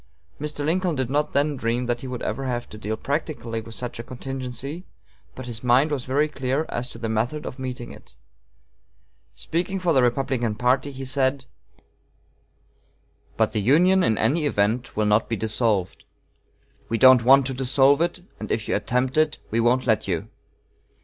Mr. Lincoln did not then dream that he would ever have to deal practically with such a contingency, but his mind was very clear as to the method of meeting it. Speaking for the Republican party, he said: "But the Union in any event will not be dissolved. We don't want to dissolve it, and if you attempt it, we won't let you.